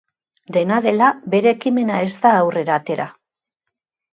Dena dela, bere ekimena ez da aurrera atera.